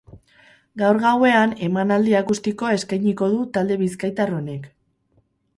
Gaur gauean emanaldi akustikoa eskainiko du talde bizkaitar honek.